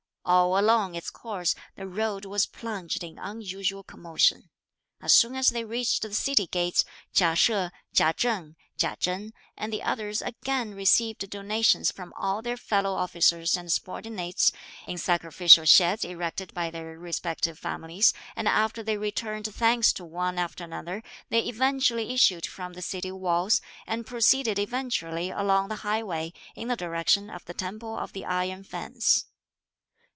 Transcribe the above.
All along its course the road was plunged in unusual commotion. As soon as they reached the city gates Chia She, Chia Cheng, Chia Chen, and the others again received donations from all their fellow officers and subordinates, in sacrificial sheds erected by their respective families, and after they returned thanks to one after another, they eventually issued from the city walls, and proceeded eventually along the highway, in the direction of the Temple of the Iron Fence.